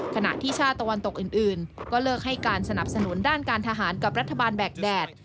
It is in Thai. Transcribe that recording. ขณะที่ชาติตะวันตกอื่นก็เลิกให้การสนับสนุนด้านการทหารกับรัฐบาลแบกแดด